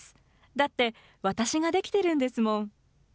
だって私ができてるんですもん。